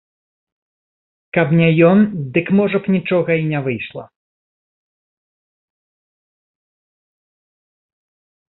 Каб не ён, дык, можа б, нічога і не выйшла.